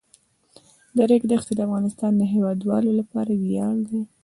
د ریګ دښتې د افغانستان د هیوادوالو لپاره ویاړ دی.